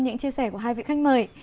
những chia sẻ của hai vị khách mời